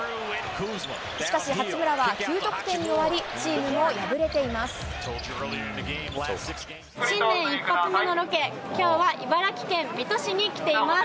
しかし、八村は９得点に終わり、チームも敗れています。